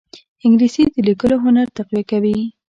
انګلیسي د لیکلو هنر تقویه کوي